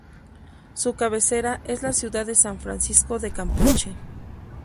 Su cabecera es la ciudad de San Francisco de Campeche.